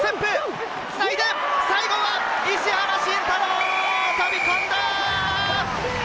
つないで最後は石原慎太郎、飛び込んだ！